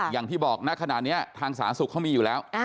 อย่างพี่บอกนะขนาดนี้ทางสารสุขเขามีอยู่แล้ว